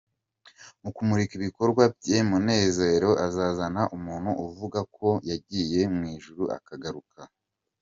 Mu kumurika ibikorwa bye munezero azazana umuntu uvuga ko yagiye mu Ijuru akagaruka